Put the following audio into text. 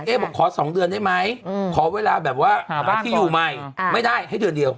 บอกขอ๒เดือนได้ไหมขอเวลาแบบว่าหาที่อยู่ใหม่ไม่ได้ให้เดือนเดียว